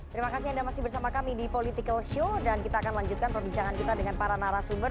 terima kasih anda masih bersama kami di political show dan kita akan lanjutkan perbincangan kita dengan para narasumber